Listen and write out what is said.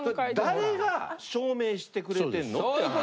誰が証明してくれてんのって話。